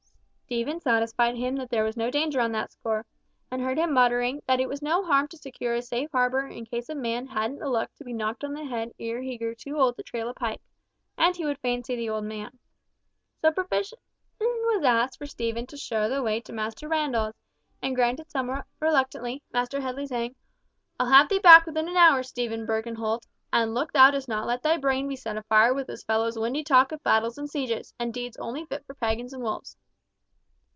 Stephen satisfied him that there was no danger on that score, and heard him muttering, that it was no harm to secure a safe harbour in case a man hadn't the luck to be knocked on the head ere he grew too old to trail a pike. And he would fain see the old man. So permission was asked for Stephen to show the way to Master Randall's, and granted somewhat reluctantly, Master Headley saying, "I'll have thee back within an hour, Stephen Birkenholt, and look thou dost not let thy brain be set afire with this fellow's windy talk of battles and sieges, and deeds only fit for pagans and wolves."